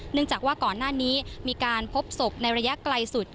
จากว่าก่อนหน้านี้มีการพบศพในระยะไกลสุด